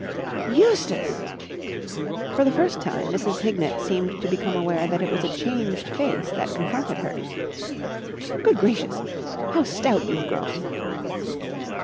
"Eustace!" For the first time Mrs. Hignett seemed to become aware that it was a changed face that confronted hers. "Good gracious! How stout you've grown!"